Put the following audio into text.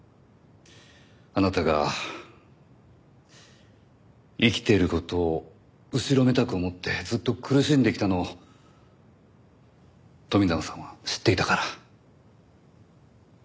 あなたが生きている事を後ろめたく思ってずっと苦しんできたのを富永さんは知っていたから。